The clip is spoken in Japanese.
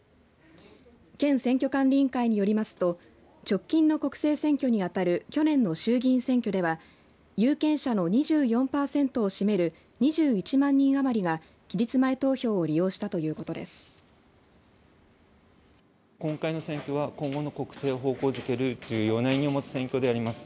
県選挙管理委員会によりますと直近の国政選挙に当たる去年の衆議院選挙では有権者の２４％を占める２１万人余りが期日前投票を利用したということです。